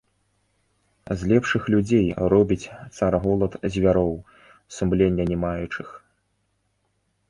З лепшых людзей робіць цар голад звяроў, сумлення не маючых.